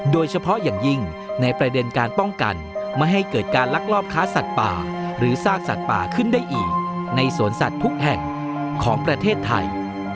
โดยเฉพาะอย่างยิ่งในประเด็นการป้องกันไม่ให้เกิดการลักลอบค้าสัตว์ป่าหรือซากสัตว์ป่าขึ้นได้อีกในสวนสัตว์ทุกแห่งของประเทศไทย